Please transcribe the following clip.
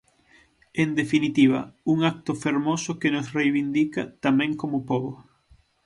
En definitiva, un acto fermoso que nos reivindica, tamén, como pobo.